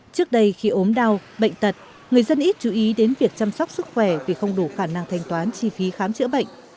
trước đây khi ốm đau bệnh tật người dân ít chú ý đến việc chăm sóc sức khỏe vì không đủ khả năng thanh toán chi phí khám chữa bệnh